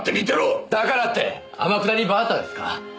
だからって天下りバーターですか？